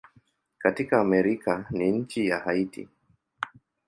Katika Amerika ni nchi ya Haiti.